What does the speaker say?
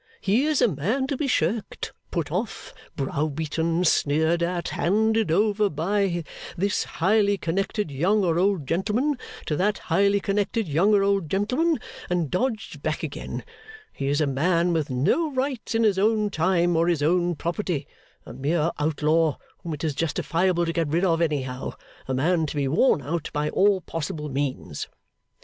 He is a man to be shirked, put off, brow beaten, sneered at, handed over by this highly connected young or old gentleman, to that highly connected young or old gentleman, and dodged back again; he is a man with no rights in his own time, or his own property; a mere outlaw, whom it is justifiable to get rid of anyhow; a man to be worn out by all possible means.